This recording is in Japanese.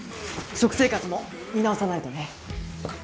食生活も見直さないとね。